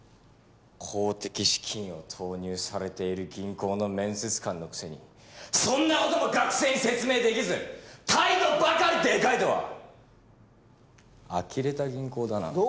公的資金を投入されている銀行の面接官のくせにそんな事も学生に説明出来ず態度ばかりでかいとは呆れた銀行だな。